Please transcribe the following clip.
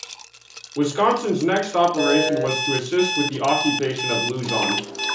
"Wisconsin"s next operation was to assist with the occupation of Luzon.